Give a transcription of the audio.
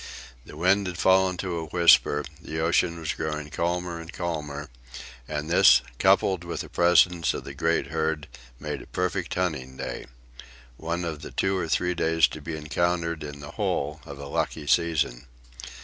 The wind had fallen to a whisper, the ocean was growing calmer and calmer, and this, coupled with the presence of the great herd, made a perfect hunting day—one of the two or three days to be encountered in the whole of a lucky season.